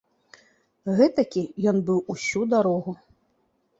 Гэтакі ён быў усю дарогу.